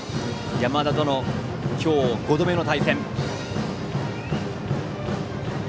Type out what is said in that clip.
山田との今日５度目の対戦。